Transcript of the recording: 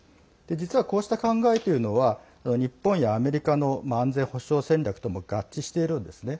実は、こうした考えというのは日本やアメリカの安全保障戦略とも合致しているんですね。